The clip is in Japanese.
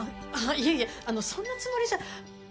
いやいやあのそんなつもりじゃ。